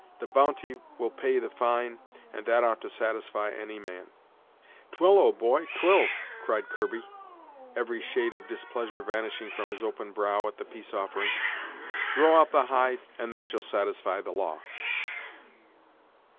The bounty will pay the fine, and that ought to satisfy any man." "Twill, old boy, 'twill," cried Kirby, every shade of displeasure vanishing from his open brow at the peace offering; "throw out the hide, and that shall satisfy the law."